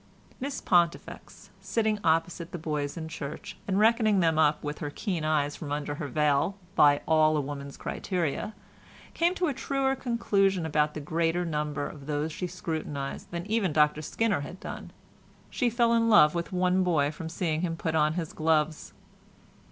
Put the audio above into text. Miss Pontifex, sitting opposite the boys in church, and reckoning them up with her keen eyes from under her veil by all a woman's criteria, came to a truer conclusion about the greater number of those she scrutinized than even Dr Skinner had done. She fell in love with one boy from seeing him put on his gloves.